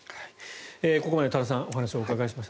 ここまで多田さんにお話をお伺いしました。